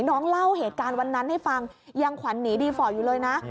เล่าเหตุการณ์วันนั้นให้ฟังยังขวัญหนีดีฟอร์ตอยู่เลยนะ